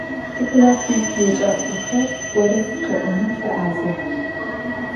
Tiklassı yis yêcak'oxer vored khe'onım fe'azex.